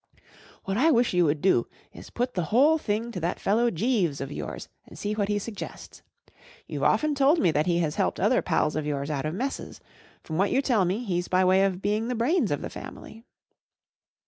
41 What I wish you would do is to put the whole thing to that fellow Jeeves of yours, and see what he suggests. You've often told me that he has helped other pals of yours out of messes, From what you tell me, he's by way of being the brains of the family."